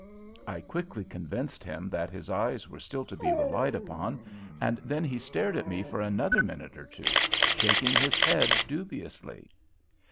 I quickly convinced him that his eyes were still to be relied upon, and then he stared at me for another minute or two, shaking his head dubiously.